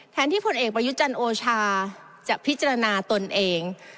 ที่ผลเอกประยุจันทร์โอชาจะพิจารณาตนเอง